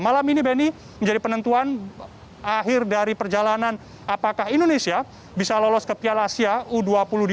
malam ini bany menjadi penentuan akhir dari perjalanan apakah indonesia bisa lolos ke piala asia u dua puluh di dua ribu dua puluh tiga